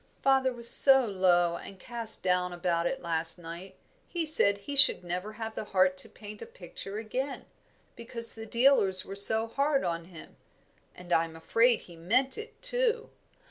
"Father was so low and cast down about it last night, he said he should never have the heart to paint a picture again, because the dealers were so hard on him; and I am afraid he meant it, too.